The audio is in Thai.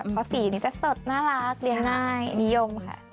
เพราะสีนี้จะสดน่ารักเลี้ยงได้นิยมค่ะ